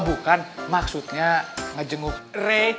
oh bukan maksudnya ngejenguk re